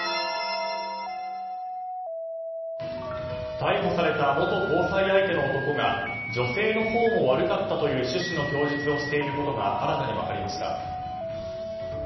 逮捕された元交際相手の男が女性のほうも悪かったという趣旨の供述をしていることが新たに分かりました。